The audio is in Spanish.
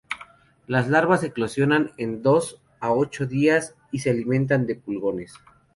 Las larvas eclosionan en dos a ocho días y se alimentan de pulgones.